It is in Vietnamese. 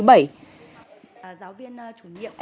em hồ khánh vy